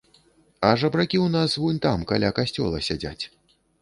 А жабракі ў нас вунь там каля касцёла сядзяць.